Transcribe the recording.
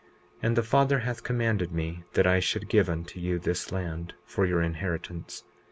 20:14 And the Father hath commanded me that I should give unto you this land, for your inheritance.